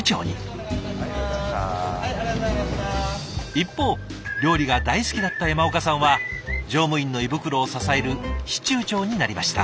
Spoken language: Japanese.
一方料理が大好きだった山岡さんは乗務員の胃袋を支える司厨長になりました。